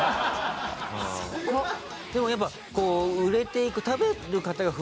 でもやっぱ売れていく。